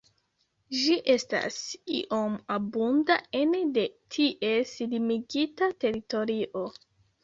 Ĝi estas iom abunda ene de ties limigita teritorio.